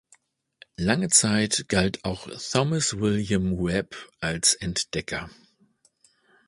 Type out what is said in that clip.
Lange zeit galt auch Thomas William Webb als Entdecker.